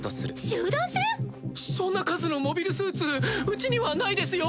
集団戦⁉そんな数のモビルスーツうちにはないですよ。